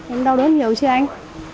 em đau đớn nhiều chưa anh